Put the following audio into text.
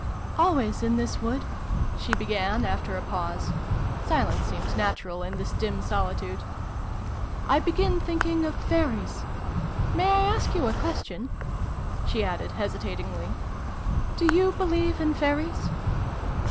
"Always, in this wood," she began after a pause (silence seemed natural in this dim solitude), " I begin thinking of Fairies ! May I ask you a question ?" she added hesitatingly. " Do you believe in Fairies